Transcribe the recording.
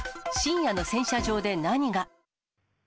深夜の洗車場で何が。